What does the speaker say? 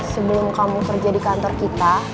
sebelum kamu kerja di kantor kita